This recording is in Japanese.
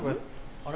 あれ？